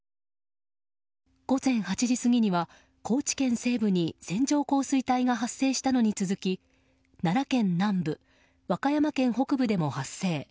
午前８時過ぎには高知県西部に線状降水帯が発生したのに続き奈良県南部、和歌山県北部でも発生。